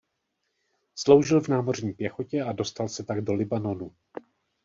Sloužil v námořní pěchotě a dostal se tak do Libanonu.